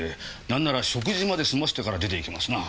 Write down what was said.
なんなら食事まで済ませてから出ていけますな。